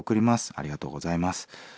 ありがとうございます。